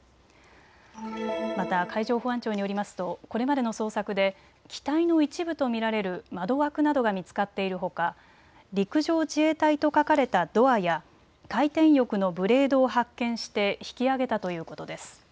また海上保安庁によりますとこれまでの捜索で機体の一部と見られる窓枠などが見つかっているほか陸上自衛隊と書かれたドアや回転翼のブレードを発見して引き揚げたということです。